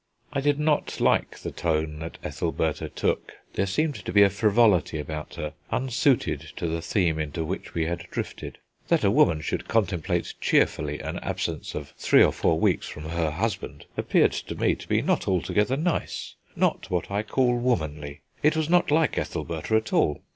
I did not like the tone that Ethelbertha took. There seemed to be a frivolity about her, unsuited to the theme into which we had drifted. That a woman should contemplate cheerfully an absence of three or four weeks from her husband appeared to me to be not altogether nice, not what I call womanly; it was not like Ethelbertha at all.